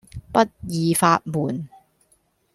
不二法門